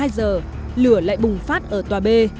một mươi hai giờ lửa lại bùng phát ở tòa b